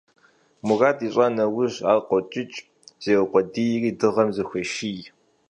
Мурад ищӀа нэужь, ар къокӀыкӀ, зеукъуэдийри дыгъэм зыхуеший.